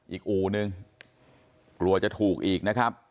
อู่นึงกลัวจะถูกอีกนะครับ